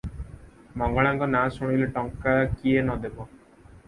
ମଙ୍ଗଳାଙ୍କ ନାଁ ଶୁଣିଲେ ଟଙ୍କା କିଏ ନ ଦେବ?